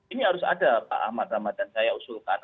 ini harus ada pak ahmad ramadan saya usulkan